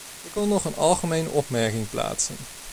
Ik wil nog een algemene opmerking plaatsen.